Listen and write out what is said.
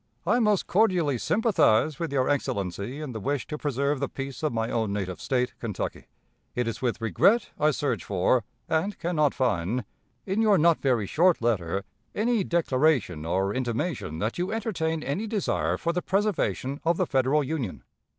"I most cordially sympathize with your Excellency in the wish to preserve the peace of my own native State, Kentucky. It is with regret I search for, and can not find, in your not very short letter, any declaration or intimation that you entertain any desire for the preservation of the Federal Union.